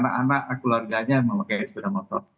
nah anak anak keluarganya mau pakai sepeda motor